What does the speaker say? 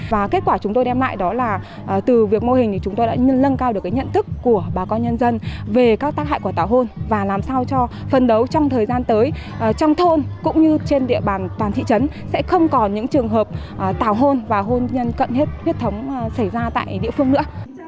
và kết quả chúng tôi đem lại đó là từ việc mô hình thì chúng tôi đã lân cao được cái nhận thức của bà con nhân dân về các tác hại của tào hôn và làm sao cho phân đấu trong thời gian tới trong thôn cũng như trên địa bàn toàn thị trấn sẽ không còn những trường hợp tảo hôn và hôn nhân cận huyết thống xảy ra tại địa phương nữa